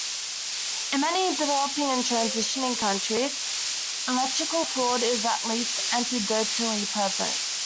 In many developing and transitioning countries, electoral fraud is at least anecdotally present.